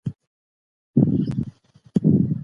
بيړه د شيطان کار دی.